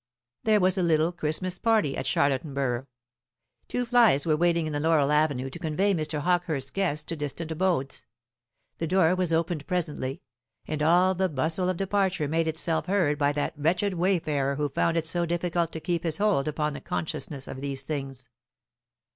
There was a little Christmas party at Charlottenburgh. Two flys were waiting in the laurel avenue to convey Mr. Hawkehurst's guests to distant abodes. The door was opened presently, and all the bustle of departure made itself heard by that wretched wayfarer who found it so difficult to keep his hold upon the consciousness of these things.